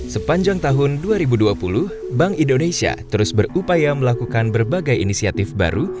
sepanjang tahun dua ribu dua puluh bank indonesia terus berupaya melakukan berbagai inisiatif baru